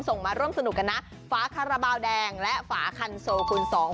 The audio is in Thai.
มาร่วมสนุกกันนะฝาคาราบาลแดงและฝาคันโซคูณสอง